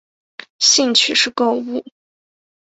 兴趣是购物。